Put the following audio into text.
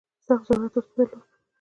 سخت ضرورت ورته درلود.